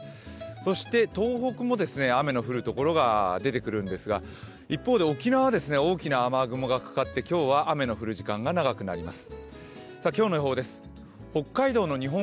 そして東北も雨の降るところが出てくるんですが一方で沖縄は大きな雨雲がかかって今日は雨の降る時間が長くなります。